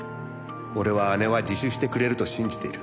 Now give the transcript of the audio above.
「俺は姉は自首してくれると信じている」